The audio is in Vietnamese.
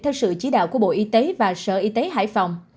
theo sự chỉ đạo của bộ y tế và sở y tế hải phòng